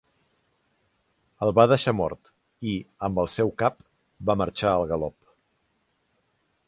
El va deixar mort i, amb el seu cap, va marxar al galop.